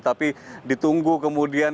tapi ditunggu kemudian